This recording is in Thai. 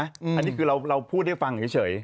อันนี้คือเราพูดให้ฟังเฉย